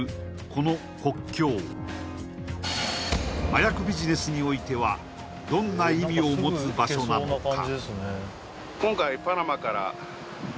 この国境麻薬ビジネスにおいてはどんな意味を持つ場所なのか？